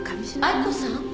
明子さん？